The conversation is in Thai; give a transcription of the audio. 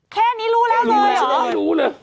แค่นี้รู้แล้วเลยเหรอ